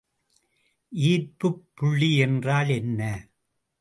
ஈர்ப்புப்புள்ளி என்றால் என்ன?